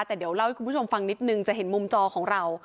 แต่เดี๋ยวเล่าให้คุณผู้ชมฟังนิดนึงจะเห็นมุมจอของเรา